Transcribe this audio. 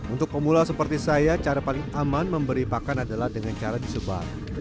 untuk pemula seperti saya cara paling aman memberi pakan adalah dengan cara disebar